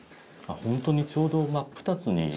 本当にちょうど真っ二つに。